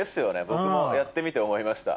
僕もやってみて思いました。